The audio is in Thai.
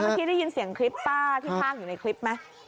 นี่แกเมื่อกี้ได้ยินเสียงคลิปป้าที่พร่างอยู่ในคลิปไหม